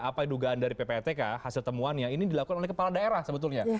apa dugaan dari ppatk hasil temuannya ini dilakukan oleh kepala daerah sebetulnya